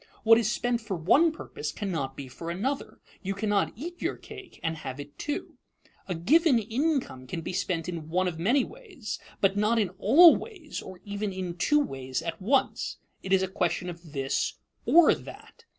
What is spent for one purpose cannot be for another; "you cannot eat your cake and have it too." A given income can be spent in one of many ways, but not in all ways or even in two ways at once. It is a question of this or that.